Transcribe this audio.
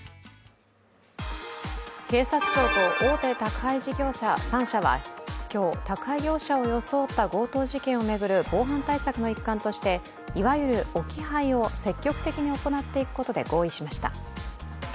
警察庁と大手宅配事業者３社は今日、宅配業者を装った強盗事件を巡る防犯対策の一環として、いわゆる置き配を積極的に行っていくことで合意しました。